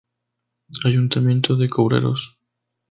Ayuntamiento de Cobreros.